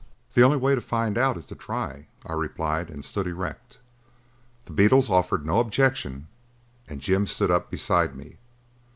"The only way to find out is to try," I replied and stood erect. The beetles offered no objection and Jim stood up beside me.